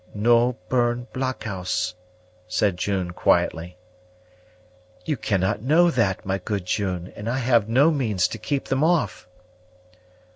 "No burn blockhouse," said June quietly. "You cannot know that, my good June, and I have no means to keep them off."